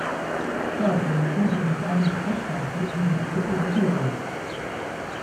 Serve i centri abitati di Fossato di Vico e di Gubbio.